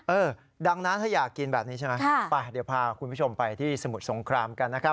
เออดังนั้นถ้าอยากกินแบบนี้ใช่ไหมไปเดี๋ยวพาคุณผู้ชมไปที่สมุทรสงครามกันนะครับ